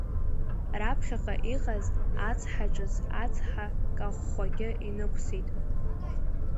Раԥхьаҟа иҟаз ацҳа ҿыц, ацҳа кахәхәагьы инықәсит.